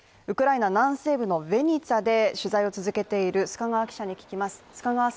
ウクライナ南西部ヴィニツァで取材を続けている須賀川記者に聞きます。